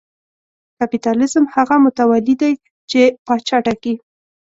کاپیتالېزم هغه متولي دی چې پاچا ټاکي.